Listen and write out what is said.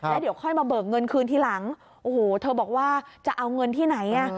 แล้วเดี๋ยวค่อยมาเบิกเงินคืนทีหลังโอ้โหเธอบอกว่าจะเอาเงินที่ไหนอ่ะ